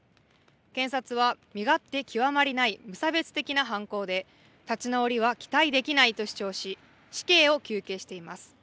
検察は、身勝手極まりない無差別的な犯行で、立ち直りは期待できないと主張し、死刑を求刑しています。